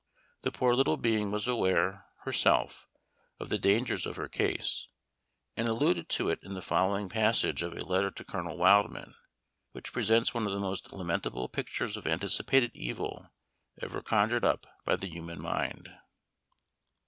The poor little being was aware, herself, of the dangers of her case, and alluded to it in the following passage of a letter to Colonel Wildman, which presents one of the most lamentable pictures of anticipated evil ever conjured up by the human mind.